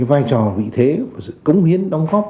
vài trò vị thế sự công hiến đóng góp